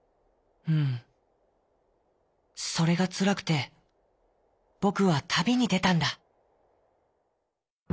「うんそれがつらくてぼくはたびにでたんだ」。